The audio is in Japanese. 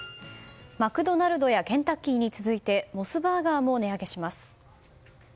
マクドナルドやケンタッキーに続いてモスバーガーも値上げします。